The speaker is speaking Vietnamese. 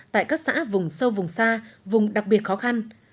tại các xã vùng sâu vùng xa vùng đặc biệt khó khăn